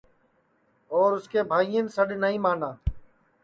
اور اُس کے بھائین سڈؔ نائی مانا